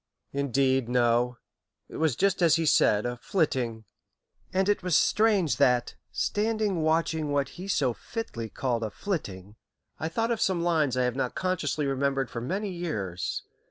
"Indeed, no. It was just as he said 'a flitting.' And it was strange that, standing watching what he so fitly called the 'flitting,' I thought of some lines I have not consciously remembered for many years.